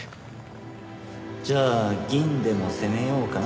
じゃあ銀でも攻めようかな。